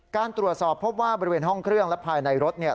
การตรวจสอบพบว่าบริเวณห้องเครื่องและภายในรถเนี่ย